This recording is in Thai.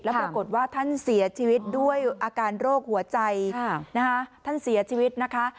ปรากฏว่าท่านเสียชีวิตด้วยอาการโรคหัวใจท่านเสียชีวิตนะคะ